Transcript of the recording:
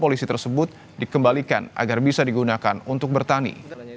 dan polisi tersebut dikembalikan agar bisa digunakan untuk bertani